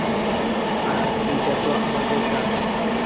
আর এটাই তো আমাদের কাজ।